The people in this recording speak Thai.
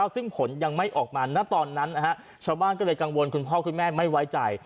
ซึ่งผลยังไม่ออกมาณตอนนั้นชาวบ้านก็เลยกังวลคุณพ่อคุณแม่ไม่ไว้ใจ